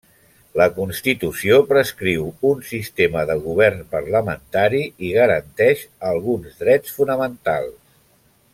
La constitució prescriu un sistema de govern parlamentari i garanteix alguns drets fonamentals.